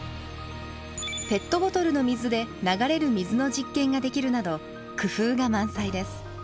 ペットボトルの水で流れる水の実験ができるなど工夫が満載です。